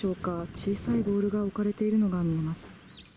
小さいボールが置かれているのが見えます。